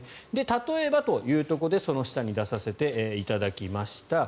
例えばというところでその下に出させていただきました。